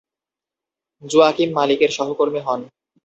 Joaquin মালিকের সহকর্মী হন।